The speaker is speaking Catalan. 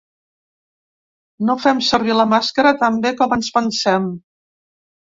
“No fem servir la màscara tan bé com ens pensem”